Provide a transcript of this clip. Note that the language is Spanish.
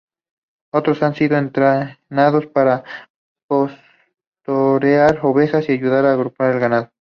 Otros han sido entrenados para pastorear ovejas y ayudar a agrupar el ganado.